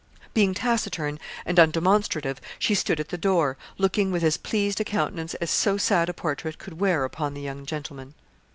Being taciturn and undemonstrative, she stood at the door, looking with as pleased a countenance as so sad a portrait could wear upon the young gentleman.